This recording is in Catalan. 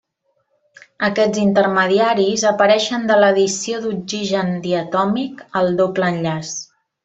Aquests intermediaris apareixen de l'addició d'oxigen diatòmic al doble enllaç.